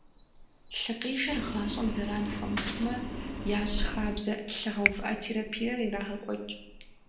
Лъыкъижыр гъащӏэм зэран хуэмыхъумэ, ящӏ хабзэ лъыгъэувыӏэ терапиер ирагъэкӏуэкӏ.